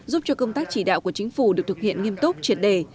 giúp cho công tác chỉ đạo của chính phủ được thực hiện nghiêm túc triệt đề